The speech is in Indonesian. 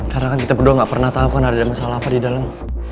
karena kan kita berdua gak pernah tau kan ada masalah apa di dalam